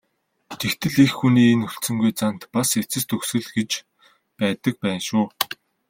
Тэгтэл эх хүний энэ хүлцэнгүй занд бас эцэс төгсгөл гэж байдаг байна шүү.